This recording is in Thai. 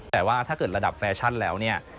แต่ว่าถ้าเกิดระดับแฟชั่นแล้วเนี่ย